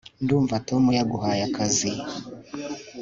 ndumva tom yaguhaye akazi